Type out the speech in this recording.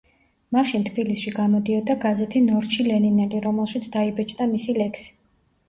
მაშინ თბილისში გამოდიოდა გაზეთი „ნორჩი ლენინელი“, რომელშიც დაიბეჭდა მისი ლექსი.